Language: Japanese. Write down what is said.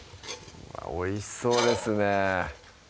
おいしそうですね